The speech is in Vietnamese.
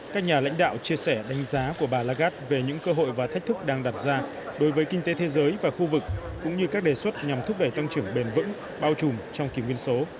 các nhà lãnh đạo chia sẻ đánh giá của bà lagarde về những cơ hội và thách thức đang đặt ra đối với kinh tế thế giới và khu vực cũng như các đề xuất nhằm thúc đẩy tăng trưởng bền vững bao trùm trong kỳ nguyên số